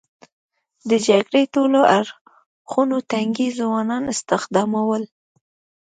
د جګړې ټولو اړخونو تنکي ځوانان استخدامول.